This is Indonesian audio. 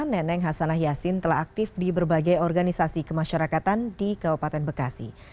neneng hasanah yassin telah aktif di berbagai organisasi kemasyarakatan di kabupaten bekasi